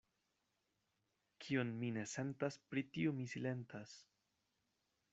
Kion mi ne sentas, pri tio mi silentas.